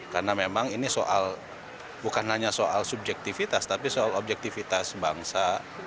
karena memang ini soal bukan hanya soal subjektivitas tapi soal objektivitas bangsa